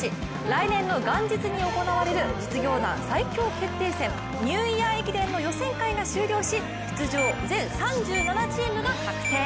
来年の元日に行われる、実業団最強決定戦ニューイヤー駅伝の予選会が終了し出場全３７チームが確定。